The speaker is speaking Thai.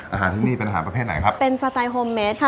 อาหารที่นี่เป็นอาหารประเภทไหนครับเป็นสไตล์โฮมเมสค่ะ